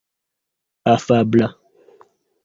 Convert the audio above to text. afabla